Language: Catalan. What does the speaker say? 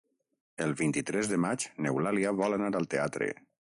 El vint-i-tres de maig n'Eulàlia vol anar al teatre.